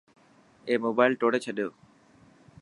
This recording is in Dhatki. اي موبائل ٽوڙي ڇڏيو.